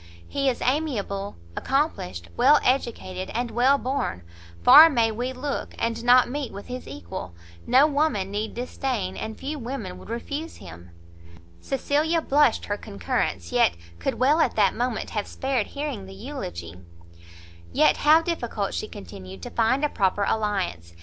"He is amiable, accomplished, well educated, and well born; far may we look, and not meet with his equal; no woman need disdain, and few women would refuse him." Cecilia blushed her concurrence; yet could well at that moment have spared hearing the eulogy. "Yet how difficult," she continued, "to find a proper alliance!